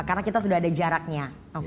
karena kita sudah ada jaraknya